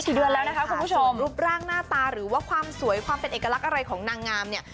จุดรูปร่างหน้าตาหรือว่าความสวยหรือเป็นเอกลักษณ์อะไรของนางงามเนี่ย